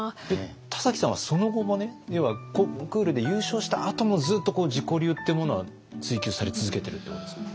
田崎さんはその後もコンクールで優勝したあともずっとこう自己流ってものは追求され続けてるってことですか？